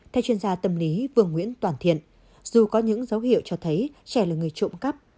theo chuyên gia tâm lý vườn nguyễn toàn thiện dù có những dấu hiệu cho thấy trẻ là người trộm cắp